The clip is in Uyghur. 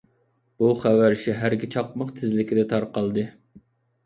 بۇ خەۋەر شەھەرگە چاقماق تېزلىكىدە تارقالدى.